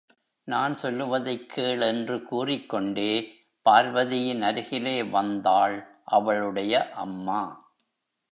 நான் சொல்லுவதைக் கேள் என்று கூறிக் கொண்டே பார்வதியின் அருகிலே வந்தாள், அவளுடைய அம்மா.